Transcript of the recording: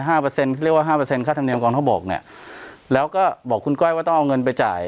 เปอร์เซ็นเขาเรียกว่าห้าเปอร์เซ็นค่าธรรมเนียมกองทบกเนี่ยแล้วก็บอกคุณก้อยว่าต้องเอาเงินไปจ่าย